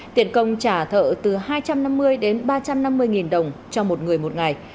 tiền công trả thợ từ hai trăm năm mươi đến ba trăm năm mươi đồng cho một người một ngày